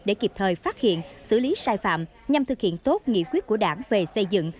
để kịp thời phát hiện xử lý sai phạm nhằm thực hiện tốt nghị quyết của đảng về xây dựng